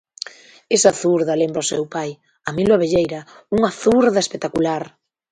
Esa zurda lembra ao seu pai, a Milo Abelleira, unha zurda espectacular.